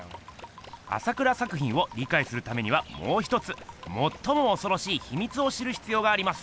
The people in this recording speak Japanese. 朝倉作品をりかいするためにはもうひとつもっともおそろしいひみつを知るひつようがあります。